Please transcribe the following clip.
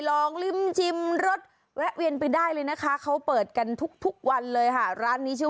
ลองริมจิมรถแวะเฃียนไปได้เลยนะคะเขาเปิดกันทุกวันเลยฮะร้านนี้